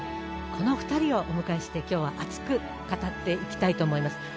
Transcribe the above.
この２人をお迎えして今日は熱く語っていきたいと思います。